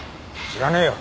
知らねえよ。